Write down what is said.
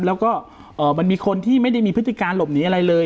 แล้วก็มันมีคนที่ไม่ได้มีพฤติการหลบหนีอะไรเลย